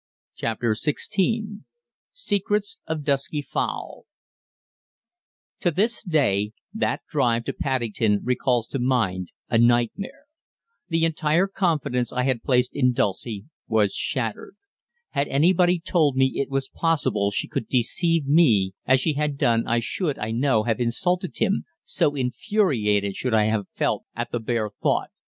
CHAPTER XVI SECRETS OF DUSKY FOWL To this day that drive to Paddington recalls to mind a nightmare. The entire confidence I had placed in Dulcie was shattered. Had anybody told me it was possible she could deceive me as she had done I should, I know, have insulted him so infuriated should I have felt at the bare thought.